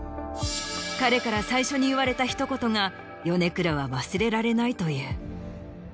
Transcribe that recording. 彼から最初に言われたひと言が米倉は忘れられないという。